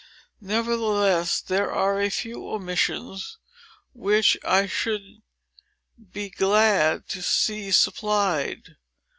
Nevertheless, there are a few omissions, which I should be glad to see supplied.